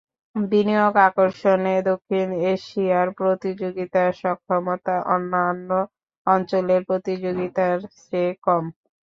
বিনিয়োগ আকর্ষণে দক্ষিণ এশিয়ার প্রতিযোগিতা সক্ষমতা অন্যান্য অঞ্চলের প্রতিযোগীর চেয়ে কম।